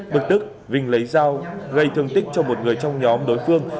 bực tức vinh lấy dao gây thương tích cho một người trong nhóm đối phương